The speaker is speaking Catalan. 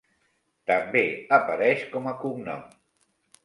També apareix com a cognom.